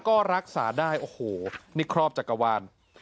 ก็รักษาได้โอ้โหนี่ครอบจักรวาล